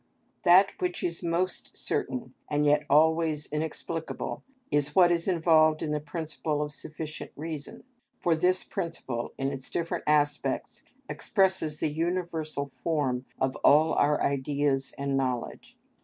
That which is most certain, and yet always inexplicable, is what is involved in the principle of sufficient reason, for this principle, in its different aspects, expresses the universal form of all our ideas and knowledge.